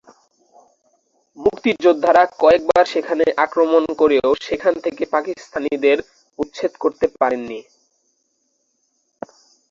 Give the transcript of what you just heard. মুক্তিযোদ্ধারা কয়েকবার সেখানে আক্রমণ করেও সেখান থেকে পাকিস্তানিদের উচ্ছেদ করতে পারেননি।